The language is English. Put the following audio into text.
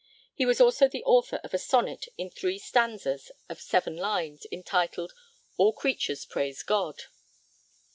He was also the author of a sonnet in three stanzas of seven lines entitled 'All Creatures praise God.'